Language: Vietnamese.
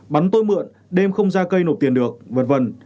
bắn tôi mượn đêm không ra cây nộp tiền được v v